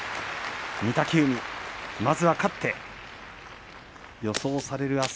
御嶽海、まずは勝って予想される